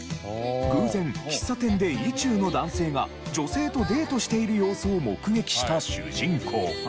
偶然喫茶店で意中の男性が女性とデートしている様子を目撃した主人公。